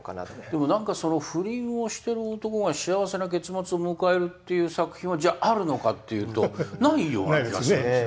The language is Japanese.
でもなんかその不倫をしてる男が幸せな結末を迎えるっていう作品はじゃああるのか？っていうとないような気がします。